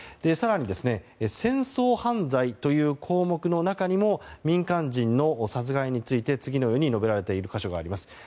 更に戦争犯罪という項目の中にも民間人の殺害について次のように述べられている箇所があります。